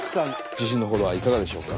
自信の程はいかがでしょうか？